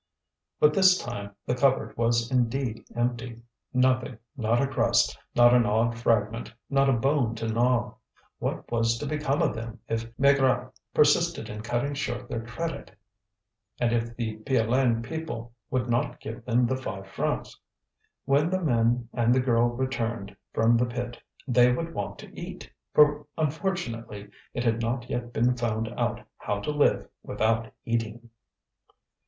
But this time the cupboard was indeed empty: nothing, not a crust, not an odd fragment, not a bone to gnaw. What was to become of them if Maigrat persisted in cutting short their credit, and if the Piolaine people would not give them the five francs? When the men and the girl returned from the pit they would want to eat, for unfortunately it had not yet been found out how to live without eating.